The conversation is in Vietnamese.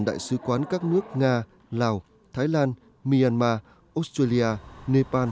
đại sứ quán các nước nga lào thái lan myanmar australia nepal